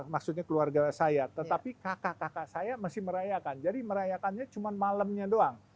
maksudnya keluarga saya tetapi efecto saya masih merayakan jadi merayakannya cuman malamnya doang